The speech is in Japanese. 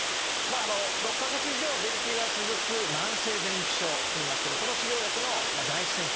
６か月以上便秘が続く「慢性便秘症」といいますけどこの治療薬の第一選択ですね。